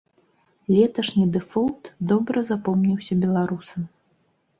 Леташні дэфолт добра запомніўся беларусам.